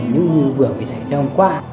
như vừa mới xảy ra hôm qua